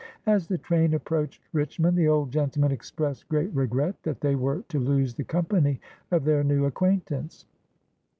As the train approach ed Richmond, the old gentleman expressed great regret that they were to lose the company of their new ac quaintance.